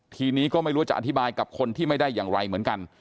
ทีนี้ก็ไม่รู้ว่าจะอธิบายกับคนที่ไม่ได้อย่างไรเหมือนกัน